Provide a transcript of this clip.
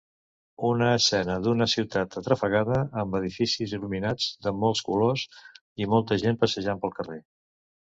Una escena d'una ciutat atrafegada amb edificis il·luminats de molts colors i molta gent passejant pel carrer.